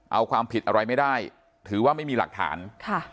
เอาความผิดอะไรไม่ได้ถือว่าไม่มีหลักฐานค่ะ